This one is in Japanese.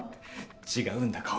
違うんだ薫。